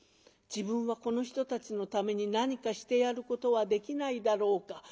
「自分はこの人たちのために何かしてやることはできないだろうか。